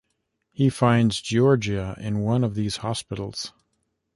He finds Giorgia in one of these hospitals.